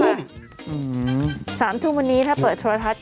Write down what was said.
อื้อหือ๓ทุ่มวันนี้ถ้าเปิดโชว์ละทัศน์